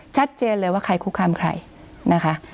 ชัดเจนเลยว่าใครคุกคามใครนะคะ